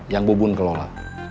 yang bubun kelola